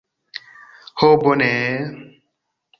Ho bone...